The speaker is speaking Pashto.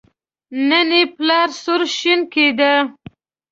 نن یې پلار سور شین کېده.